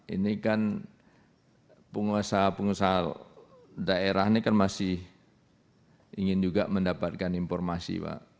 ini kan penguasa pengusaha daerah ini kan masih ingin juga mendapatkan informasi pak